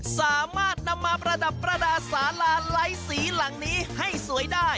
สามารถนำมาประดับประดาษสาลาไลท์สีหลังนี้ให้สวยได้